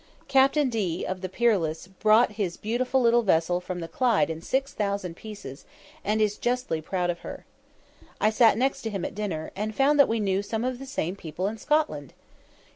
Captain D of the Peerless brought his beautiful little vessel from the Clyde in 6000 pieces, and is justly proud of her. I sat next him at dinner, and found that we knew some of the same people in Scotland.